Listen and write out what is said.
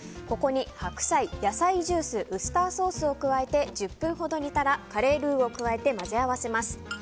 ここに白菜、野菜ジュースウスターソースを加えて１０分ほど煮たらカレールーを加えて混ぜ合わせます。